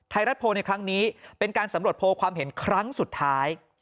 ไทยรัฐโพลในครั้งนี้เป็นการสำรวจโพลความเห็นครั้งสุดท้าย